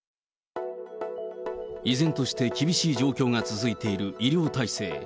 依然として厳しい状況が続いている医療体制。